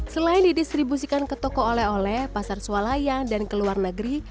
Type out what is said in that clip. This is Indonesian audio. selain didistribusikan ke toko oleh oleh pasar sualaya dan ke luar negeri